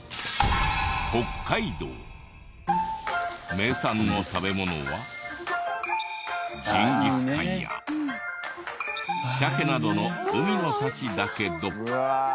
名産の食べ物はジンギスカンや鮭などの海の幸だけど。